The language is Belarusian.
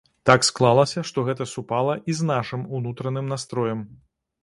Так склалася, што гэта супала і з нашым унутраным настроем.